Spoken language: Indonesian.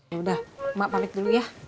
yaudah emak pamit dulu ya